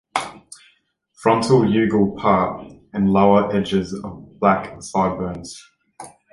Fronto-jugal part and lower edges of black sideburns.